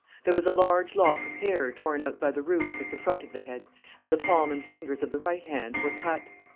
There was a large lock of hair torn out by the roots at the front of the head, and the palm and fingers of the right hand were cut.